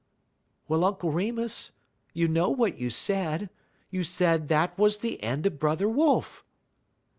"Well, Uncle Remus, you know what you said. You said that was the end of Brother Wolf."